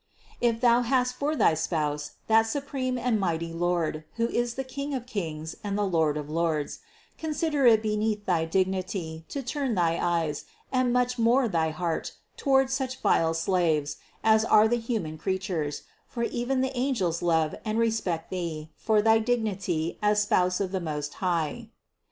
If thou hast for thy Spouse that supreme and mighty Lord, who is the King of kings and the Lord of lords, consider it beneath thy dignity to turn thy eyes, and much more thy heart, toward such vile slaves, as are the human creatures, for even the angels love and respect thee for thy dignity as spouse of the Most High.